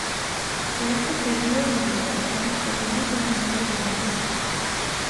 Se ha sugerido Madagascar como una solución de compromiso.